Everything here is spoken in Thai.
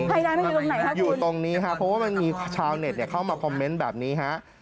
ไฮไลท์มันต้องอยู่ตรงไหนค่ะคุณอยู่ตรงนี้ครับเพราะมีชาวเน็ตเข้ามาคอมเมนต์แบบนี้